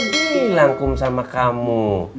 kan tadi saya udah bilang kum sama kamu